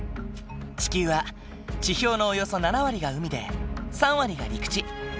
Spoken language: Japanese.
地球は地表のおよそ７割が海で３割が陸地。